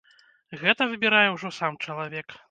Гэта выбірае ўжо сам чалавек.